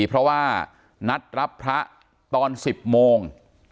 เพราะว่านัดรับพระตอน๑๐โมง